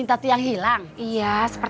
tati aku mau ke rumah